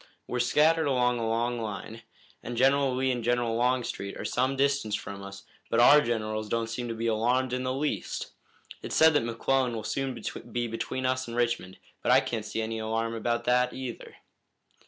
We're scattered along a long line, and General Lee and General Longstreet are some distance from us, but our generals don't seem to be alarmed in the least. It's said that McClellan will soon be between us and Richmond, but I can't see any alarm about that either."